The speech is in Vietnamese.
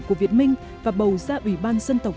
của việt minh và bầu ra ủy ban dân tộc